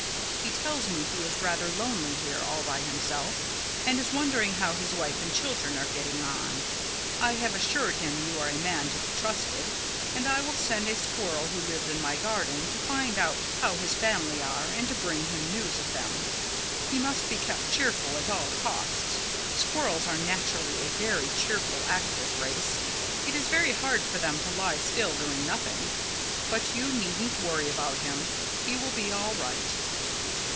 He tells me he is rather lonely here, all by himself, and is wondering how his wife and children are getting on. I have assured him you are a man to be trusted; and I will send a squirrel who lives in my garden to find out how his family are and to bring him news of them. He must be kept cheerful at all costs. Squirrels are naturally a very cheerful, active race. It is very hard for them to lie still doing nothing. But you needn't worry about him. He will be all right."